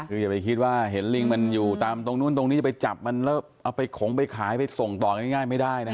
คืออย่าไปคิดว่าเห็นลิงมันอยู่ตามตรงนู้นตรงนี้จะไปจับมันแล้วเอาไปขงไปขายไปส่งต่อกันง่ายไม่ได้นะ